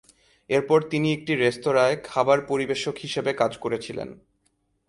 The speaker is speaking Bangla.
এরপর তিনি একটি রেস্তোঁরায় খাবার পরিবেশক হিসাবে কাজ করেছিলেন।